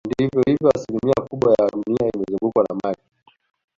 Ndivyo hivyo asilimia kubwa ya dunia imezungukwa na maji